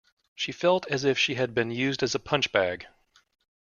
She felt as if she had been used as a punchbag